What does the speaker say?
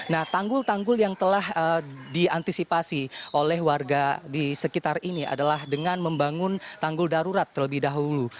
nah tanggul tanggul yang telah diantisipasi oleh warga di sekitar ini adalah dengan membangun tanggul darurat terlebih dahulu